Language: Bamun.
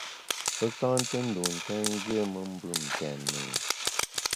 Pe ka nté ndun ntèn, nziéme mbùm ntèn e ?